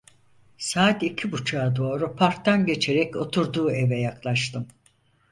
Saat iki buçuğa doğru parktan geçerek oturduğu eve yaklaştım.